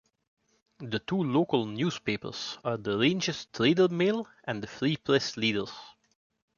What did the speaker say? The two local newspapers are the "Ranges Trader Mail" and the "Free Press Leader".